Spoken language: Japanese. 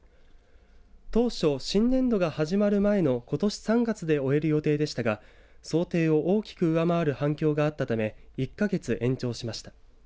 当初、新年度が始まる前のことし３月で終える予定でしたが想定を大きく上回る反響があったため１か月延長しました。